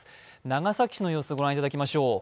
長崎市の様子、御覧いただきましょう。